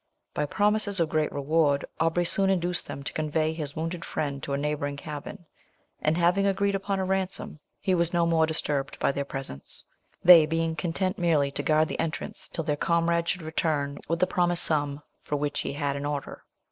By promises of great reward, Aubrey soon induced them to convey his wounded friend to a neighbouring cabin; and having agreed upon a ransom, he was no more disturbed by their presence they being content merely to guard the entrance till their comrade should return with the promised sum, for which he had an order.